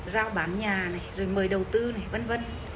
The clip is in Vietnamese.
giao bán nhà này rồi mời đầu tư này v v